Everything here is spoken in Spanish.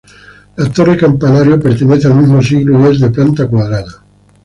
La torre-campanario pertenece al mismo siglo y es de planta cuadrada.